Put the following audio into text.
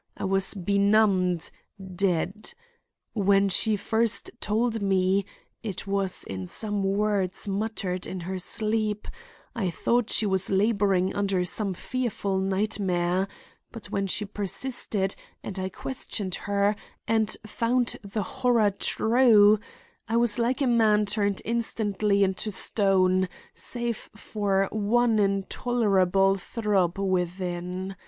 I was benumbed—dead. When first she told me,—it was in some words muttered in her sleep—I thought she was laboring under some fearful nightmare; but when she persisted, and I questioned her, and found the horror true, I was like a man turned instantly into stone, save for one intolerable throb within.